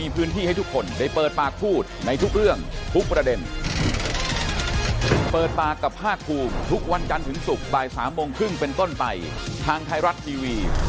พี่อุ๋ยว่าจะยังไงครับ